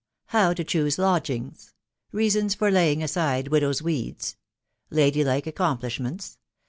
HOW TO CHOOSE LODGINGS. REASONS FOR LAYING ASIDE WlDOW*S WEEDS. — LADY LIKE ACCOMPLISHMENTS.